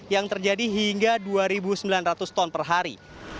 yang terjadi hingga dua sembilan ratus ton per hari